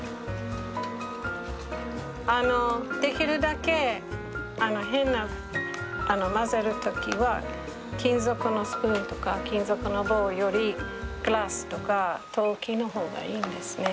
あのできるだけヘナ混ぜる時は金属のスプーンとか金属の棒よりガラスとか陶器の方がいいんですね。